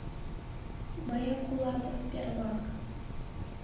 Мыяк уламыс пермак.